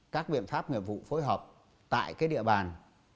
các biện pháp nghiệp vụ phối hợp tại cái địa bàn